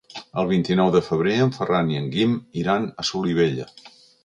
El vint-i-nou de febrer en Ferran i en Guim iran a Solivella.